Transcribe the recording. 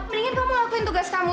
ingin kamu lakuin tugas kamu